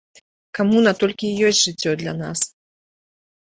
Камуна толькі і ёсць жыццё для нас.